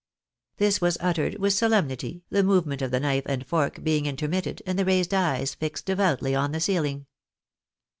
" This was uttered with solemnity, the movement of the knife and fork being intermitted, and the raised eyes fixed devoutly on the ceiling.